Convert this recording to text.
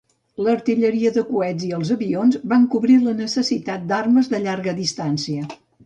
L'artilleria de coets i els avions van cobrir la necessitat d'armes de llarga distància.